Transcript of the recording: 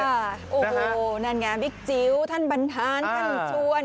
โอ้โหนั่นไงบิ๊กจิ๋วท่านบรรทานท่านชวน